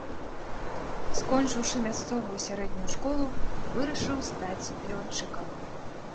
Скончыўшы мясцовую сярэднюю школу, вырашыў стаць лётчыкам.